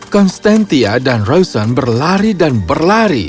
konstantia dan roysen berlari dan berlari